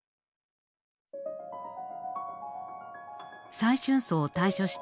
再春荘を退所した